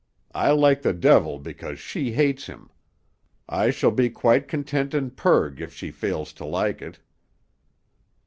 I like the devil because she hates him. I shall be quite content in purg if she fails to like it."